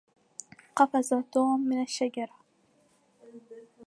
قفز توم من الشجرة.